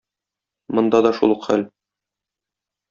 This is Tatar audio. Монда да шул ук хәл.